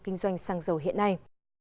kinh doanh xăng dầu hiện nay